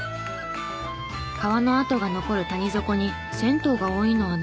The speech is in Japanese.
川の跡が残る谷底に銭湯が多いのはなぜだろう？